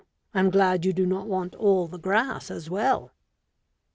I am glad you do not want all the grass as well."